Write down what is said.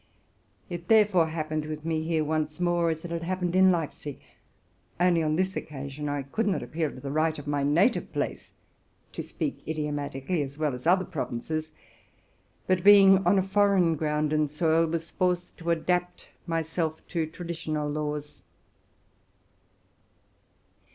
TI therefore fared here once more as I had fared at Leipzig, except that on this occasion I could not appeal to the right of my native place to speak idiomatically, as well as other provinees, but, being on a foreign ground and soil, was forced to adapt myself to traditional laws.